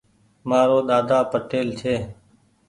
مآرو ۮاۮا پٽيل ڇي۔